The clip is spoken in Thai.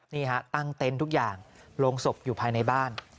นี่ฮะตั้งเต็นต์ทุกอย่างโรงศพอยู่ภายในบ้าน